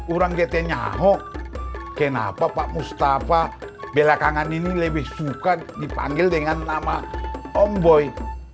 orang gt nya ahok kenapa pak mustafa belakangan ini lebih suka dipanggil dengan nama om boy